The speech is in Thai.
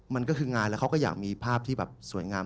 มันก็คืองานแล้วเขาก็อยากมีภาพที่แบบสวยงาม